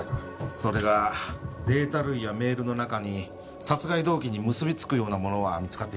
それがデータ類やメールの中に殺害動機に結び付くようなものは見つかっていません。